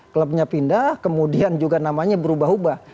klubnya pindah kemudian juga namanya berubah ubah